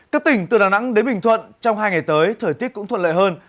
các tỉnh từ đà nẵng đến bình thuận trong hai ngày tới thời tiết cũng thuận lợi hơn